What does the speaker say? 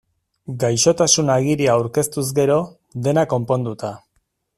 Gaixotasun-agiria aurkeztuz gero, dena konponduta.